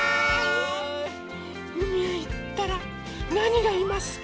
うみへいったらなにがいますか？